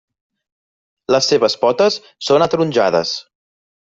Les seves potes són ataronjades.